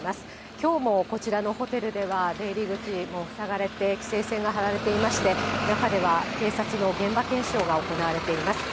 きょうもこちらのホテルでは、出入り口も塞がれて、規制線が張られていまして、中では警察の現場検証が行われています。